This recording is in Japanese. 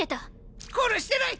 殺してない！